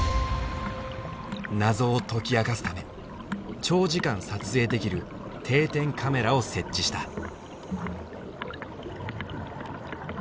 謎を解き明かすため長時間撮影できる定点カメラを設置した。